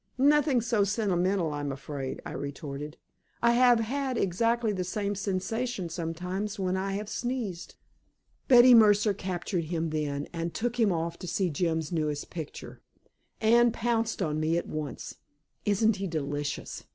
"Nothing so sentimental, I'm afraid," I retorted. "I have had exactly the same sensation sometimes when I have sneezed." Betty Mercer captured him then and took him off to see Jim's newest picture. Anne pounced on me at once. "Isn't he delicious?"